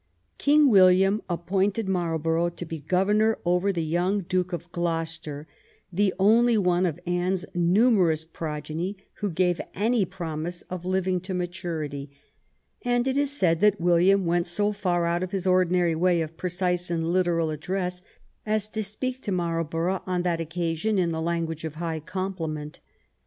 King William appointed Marlborough to be governor over the young Duke of Gloucester, the only one of Anne's numerous progeny who gave any promise of living to maturity, and it is said that William went so far out of his ordinary way of precise and literal ad dress as to speak to Marlborough on that occasion in the language of high compliment.